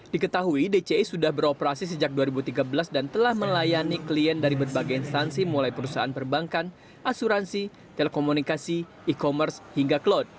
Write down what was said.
diketahui dci sudah beroperasi sejak dua ribu tiga belas dan telah melayani klien dari berbagai instansi mulai perusahaan perbankan asuransi telekomunikasi e commerce hingga cloud